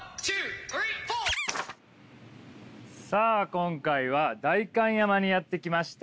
今回は代官山にやって来ました。